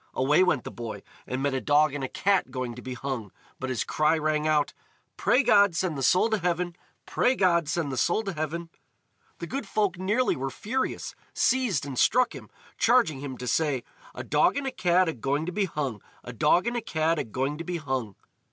Away went the boy, and met a dog and a cat going to be hung, but his cry rang out: "Pray God send the soul to heaven! Pray God send the soul to heaven!" The good folk nearly were furious, seized and struck him, charging him to say: "A dog and a cat agoing to be hung! A dog and a cat agoing to be hung!"